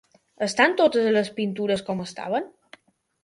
Estan totes les pintures com estaven?